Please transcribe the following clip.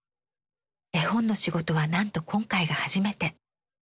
絵本の仕事はなんと今回が初めて。